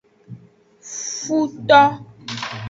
Futo.